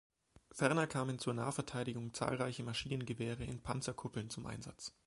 Ferner kamen zur Nahverteidigung zahlreiche Maschinengewehre in Panzerkuppeln zum Einsatz.